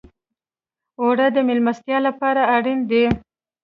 اوړه د میلمستیا لپاره اړین دي